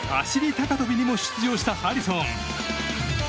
高跳びにも出場したハリソン。